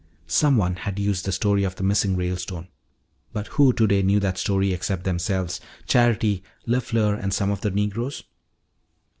Someone had used the story of the missing Ralestone. But who today knew that story except themselves, Charity, LeFleur, and some of the negroes?